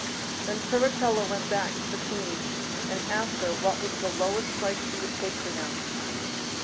Then Turritella went back to the Queen, and asked her what was the lowest price she would take for them.